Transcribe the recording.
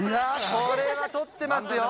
これはとってますよ。